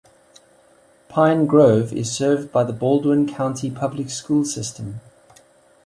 Pine Grove is served by the Baldwin County Public Schools system.